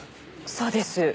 そうです。